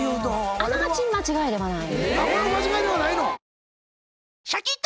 あながち間違いではない。